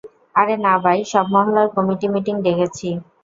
আরে না বাই, সব মহল্লার কমিটি মিটিং ডেকেছি।